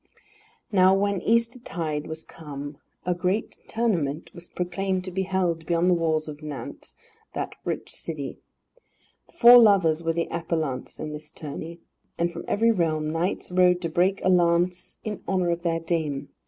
Now when Eastertide was come, a great tournament was proclaimed to be held beyond the walls of Nantes, that rich city. The four lovers were the appellants in this tourney, and from every realm knights rode to break a lance in honour of their dame.